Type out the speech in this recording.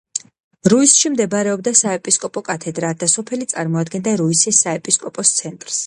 რუისში მდებარეობდა საეპისკოპოსო კათედრა და სოფელი წარმოადგენდა რუისის საეპისკოპოს ცენტრს.